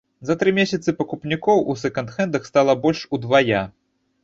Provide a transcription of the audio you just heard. За тры месяцы пакупнікоў у сэканд-хэндах стала больш удвая.